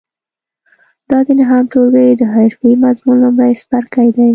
دا د نهم ټولګي د حرفې مضمون لومړی څپرکی دی.